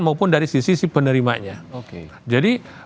maupun dari sisi penerimanya